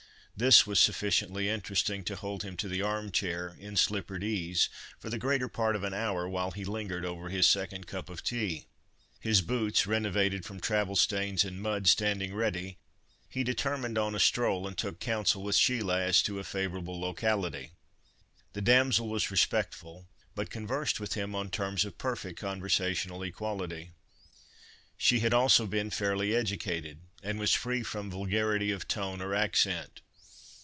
This was sufficiently interesting to hold him to the arm chair, in slippered ease, for the greater part of an hour, while he lingered over his second cup of tea. His boots, renovated from travel stains and mud, standing ready, he determined on a stroll, and took counsel with Sheila, as to a favourable locality. The damsel was respectful, but conversed with him on terms of perfect conversational equality. She had also been fairly educated, and was free from vulgarity of tone or accent.